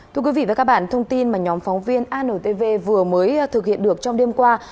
thưa quý vị và các bạn thông tin mà nhóm phóng viên antv vừa mới thực hiện được trong đêm qua